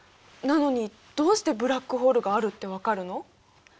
なのにどうしてブラックホールがあるってわかるの？